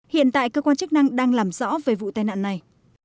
hiện tại cơ quan chức năng đang làm rõ về vụ tai nạn này